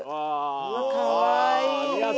かわいい。